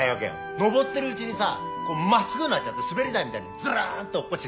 上ってるうちにさ真っすぐになっちゃって滑り台みたいにずるっと落っこちてきたいわけ